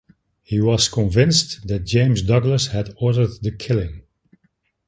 He was convinced that James Douglas had ordered the killing.